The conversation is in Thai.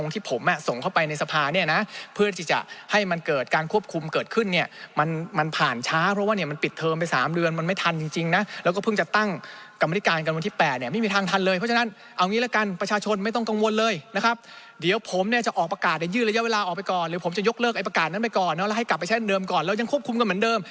แต่ขอให้มันควบคุมให้มันอย่างถูกต้องเถอะนะครับกับตัวเขาเองด้วย